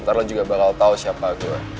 ntar lo juga bakal tahu siapa gue